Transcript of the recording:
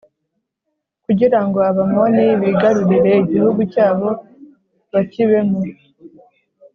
kugira ngo Abamoni bigarurire igihugu cyabo bakibemo.